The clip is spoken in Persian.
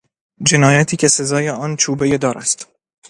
جنایتی که سزای آن چوبهی دار است